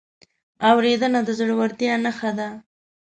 اورېدنه د زړورتیا نښه ده.